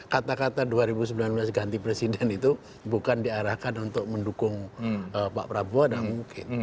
kata kata dua ribu sembilan belas ganti presiden itu bukan diarahkan untuk mendukung pak prabowo tidak mungkin